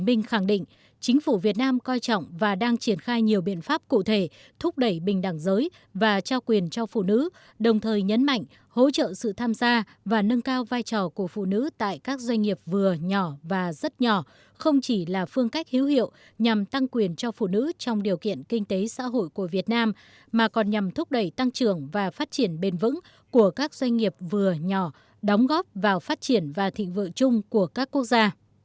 bình khẳng định chính phủ việt nam coi trọng và đang triển khai nhiều biện pháp cụ thể thúc đẩy bình đẳng giới và trao quyền cho phụ nữ đồng thời nhấn mạnh hỗ trợ sự tham gia và nâng cao vai trò của phụ nữ tại các doanh nghiệp vừa nhỏ và rất nhỏ không chỉ là phương cách hiếu hiệu nhằm tăng quyền cho phụ nữ trong điều kiện kinh tế xã hội của việt nam mà còn nhằm thúc đẩy tăng trưởng và phát triển bền vững của các doanh nghiệp vừa nhỏ đóng góp vào phát triển và thịnh vựa chung của các quốc gia